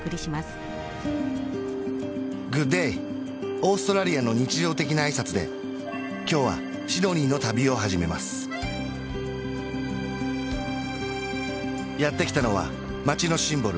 オーストラリアの日常的な挨拶で今日はシドニーの旅を始めますやってきたのは町のシンボル